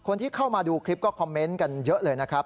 คนที่เข้ามาดูคลิปก็คอมเมนต์กันเยอะเลยนะครับ